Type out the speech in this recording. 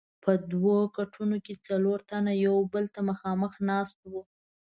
په دوو کټونو کې څلور تنه یو بل ته مخامخ ناست وو.